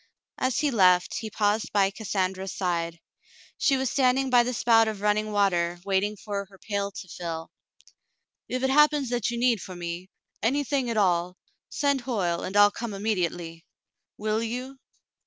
As he left, he paused by Cassandra's side. She was standing by the spout of running water waiting for her 50 The Mountain Girl pail to fill. "If it happens that you need me for — any thing at all, send Hoyle, and I'll come immediately. Will you.